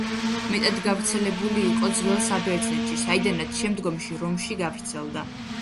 მეტად გავრცელებული იყო ძველ საბერძნეთში, საიდანაც შემდგომში რომში გავრცელდა.